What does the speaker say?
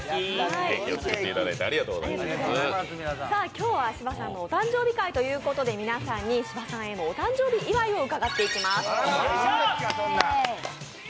今日は、芝さんのお誕生日会ということで、皆さんに芝さんへのお誕生日祝いを伺っていきます。